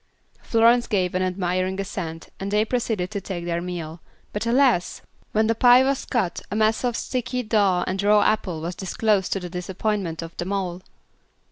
Florence gave an admiring assent, and they proceeded to take their meal; but alas! when the pie was cut a mass of sticky dough and raw apple was disclosed to the disappointment of them all.